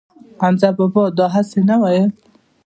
حمزه بابا دا هسې نه وييل